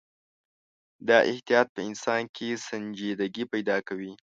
دا احتیاط په انسان کې سنجیدګي پیدا کوي.